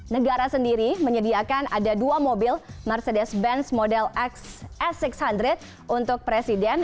negara sendiri menyediakan ada dua mobil mercedes benz model s enam ratus untuk presiden